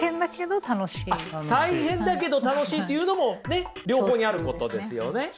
大変だけど楽しいっていうのも両方にあることですよね。